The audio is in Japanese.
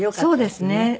そうですね。